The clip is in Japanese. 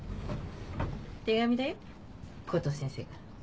手紙だよコトー先生から。